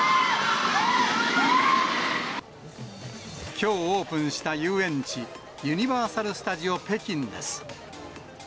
きょうオープンした遊園地、ユニバーサル・スタジオ・北京です。